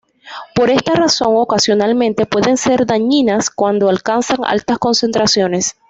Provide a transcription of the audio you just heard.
Por esta razón, ocasionalmente pueden ser dañinas cuando alcanzan altas concentraciones.